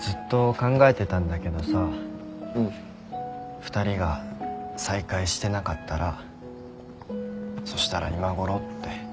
２人が再会してなかったらそしたら今ごろって。